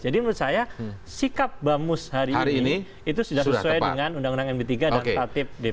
jadi menurut saya sikap bamus hari ini itu sudah sesuai dengan undang undang mp tiga dan tatip dpr